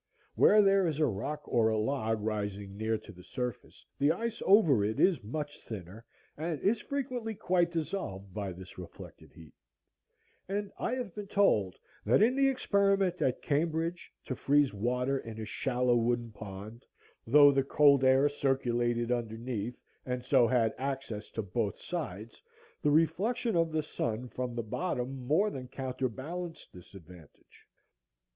Where there is a rock or a log rising near to the surface the ice over it is much thinner, and is frequently quite dissolved by this reflected heat; and I have been told that in the experiment at Cambridge to freeze water in a shallow wooden pond, though the cold air circulated underneath, and so had access to both sides, the reflection of the sun from the bottom more than counterbalanced this advantage.